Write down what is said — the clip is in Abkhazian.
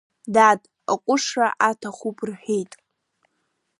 Дад, аҟәышра аҭахуп рҳәеит.